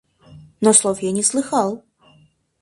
Но слов я не слыхал.